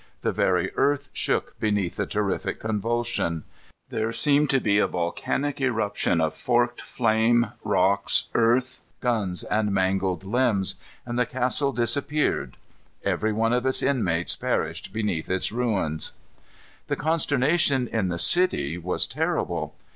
The very earth shook beneath the terrific convulsion. There seemed to be a volcanic eruption of forked flame, rocks, earth, guns, and mangled limbs, and the castle disappeared. Every one of its inmates perished beneath its ruins. The consternation in the city was terrible.